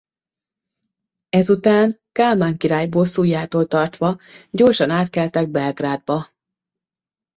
Ezután Kálmán király bosszújától tartva gyorsan átkeltek Belgrádba.